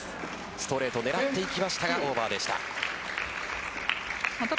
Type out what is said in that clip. ストレートを狙いましたがオーバーでした。